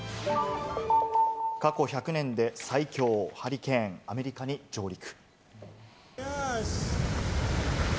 過去１００年で最強ハリケーン、アメリカに上陸。